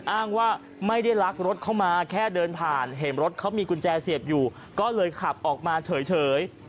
อ้างว่าไม่ได้ลักรถเข้ามาแค่เดินผ่านเห็นรถเขามีกุญแจเสียบอยู่ก็เลยขับออกมาเฉย